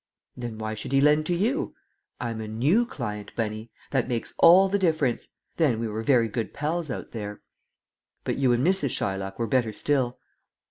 "Then why should he lend to you?" "I'm a new client, Bunny; that makes all the difference. Then we were very good pals out there." "But you and Mrs. Shylock were better still?"